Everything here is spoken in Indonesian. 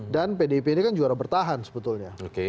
dan pdip ini kan juara bertahan sebetulnya